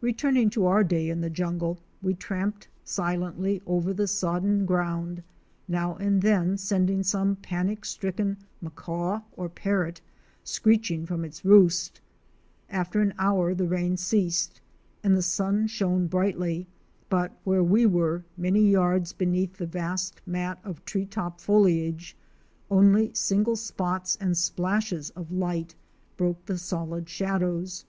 Returning to our day in the jungle; we tramped silently over the sodden ground, now and then sending some panic stricken Macaw or Parrot screeching from its roost. After an hour the rain ceased and the sun shone brightly, but where we were, many yards beneath the vast mat of tree top foliage, only single spots and splashes of light broke the solid shadows.